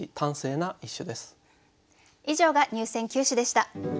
以上が入選九首でした。